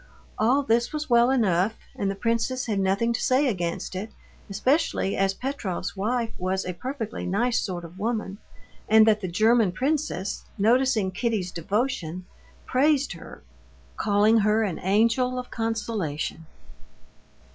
All this was well enough, and the princess had nothing to say against it, especially as Petrov's wife was a perfectly nice sort of woman, and that the German princess, noticing Kitty's devotion, praised her, calling her an angel of consolation.